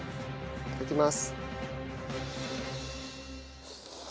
いただきます。